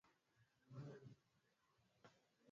Alpofika kwenye mlango wa chumbani kwake alisita